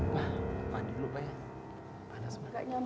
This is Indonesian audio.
pak mandi dulu pak ya